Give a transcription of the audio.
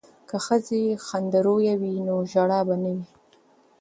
که ښځې خندرویه وي نو ژړا به نه وي.